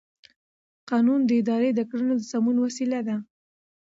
قانون د ادارې د کړنو د سمون وسیله ده.